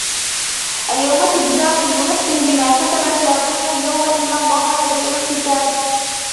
اليوم تجزى كل نفس بما كسبت لا ظلم اليوم إن الله سريع الحساب